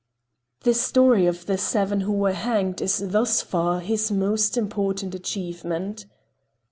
The story of "The Seven Who Were Hanged" is thus far his most important achievement.